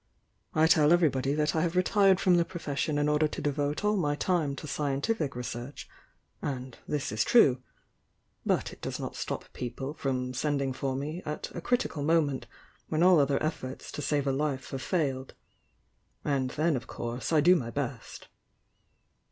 "I tell everybody that I have retired from the profession in order to devote all my time to scientific research— and this is true. But it does not stop people from sending for me at a critical moment when all other efforts to save a life have failed. And then of course I do my best."